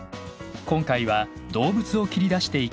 今回は動物を切り出していきます。